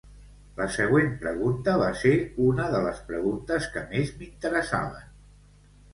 La següent pregunta va ser una de les preguntes que més m'interessaven.